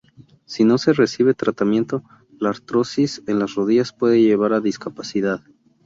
Si no se recibe tratamiento, la artrosis en las rodillas puede llevar a discapacidad.